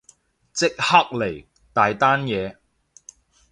即刻嚟，大單嘢